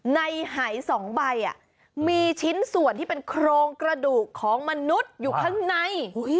ในหาย๒ใบมีชิ้นส่วนที่เป็นโครงกระดูกของมนุษย์อยู่ข้างใน